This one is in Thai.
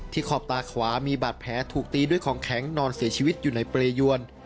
ขอบตาขวามีบาดแผลถูกตีด้วยของแข็งนอนเสียชีวิตอยู่ในเปรยวน